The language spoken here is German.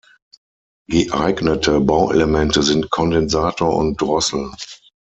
Geeignete Bauelemente sind Kondensator und Drossel.